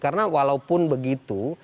karena walaupun begitu